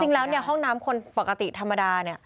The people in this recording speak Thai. จริงแล้วห้องน้ำคนปกติธรรมดา